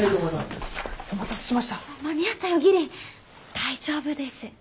大丈夫です。